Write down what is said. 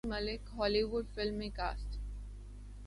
Angeline Malik Hollywood film میں cost